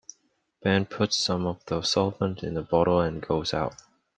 Ben puts some of the solvent in a bottle and goes out.